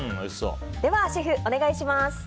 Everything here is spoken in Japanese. ではシェフ、お願いします。